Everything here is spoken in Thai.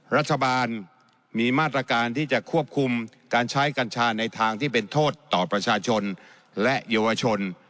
รัฐบาลมีมาตรการที่จะควบคุมการใช้กัญชาในทางที่เป็นโทษต่อประชาชนและเยาวชน